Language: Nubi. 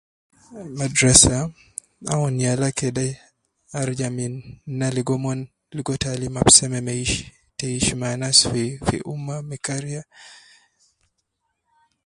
Madrasa awunu yala kede arja min na logo umon ligo taalim al seme meish te hishma anas fi ummah me kariya.